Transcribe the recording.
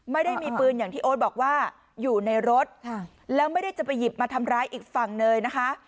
ไม่ได้มีปืนอย่างที่โอ๊ตบอกว่าอยู่ในรถแล้วไม่ได้จะไปหยิบมาทำร้ายอีกฝั่งเลยนะคะ